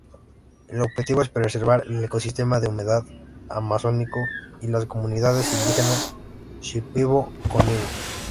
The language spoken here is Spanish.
El objetivo es preservar el ecosistema de humedal amazónico y las comunidades indígenas Shipibo–Conibo.